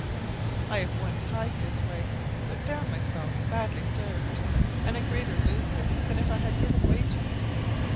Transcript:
I have once tried this way, but found myself badly served, and a greater loser than if I had given wages.